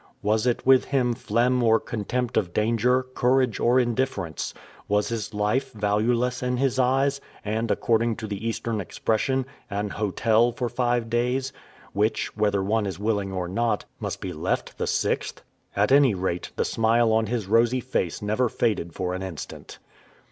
Was it with him phlegm or contempt of danger, courage or indifference? Was his life valueless in his eyes, and, according to the Eastern expression, "an hotel for five days," which, whether one is willing or not, must be left the sixth? At any rate, the smile on his rosy face never faded for an instant.